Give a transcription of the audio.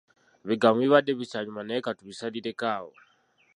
Ebigambo bibadde bikyanyuma naye ka tubisalireko awo.